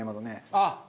あっ！